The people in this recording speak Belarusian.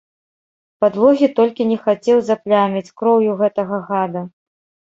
Падлогі толькі не хацеў запляміць кроўю гэтага гада!